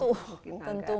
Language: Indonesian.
ya awal awalnya tentu